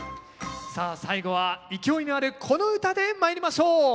さあ最後は勢いのあるこの唄でまいりましょう！